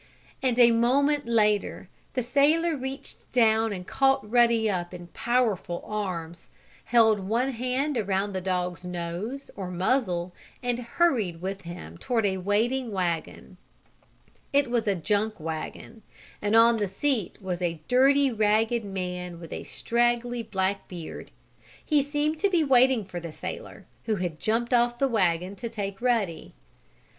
And, a moment later, the sailor reached down and caught Ruddy up in powerful arms, held one hand around the dog's nose, or muzzle, and hurried with him toward a waiting wagon. It was a junk wagon, and on the seat was a dirty, ragged man with a straggly black beard. He seemed to be waiting for the sailor, who had jumped off the wagon to take Ruddy.